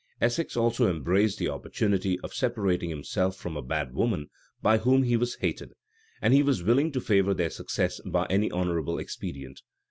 Essex also embraced the opportunity of separating himself from a bad woman, by whom he was hated; and he was willing to favor their success by any honorable expedient.